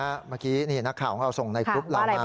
ค่ะนะฮะเมื่อกี้นี่นักข่าวของเราส่งในคลุปเรามา